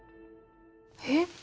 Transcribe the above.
えっ？